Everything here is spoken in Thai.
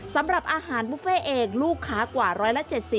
สำหรับอาหารบุฟเฟ่เองลูกค้ากว่า๑๗๐